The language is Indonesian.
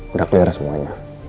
udah clear semuanya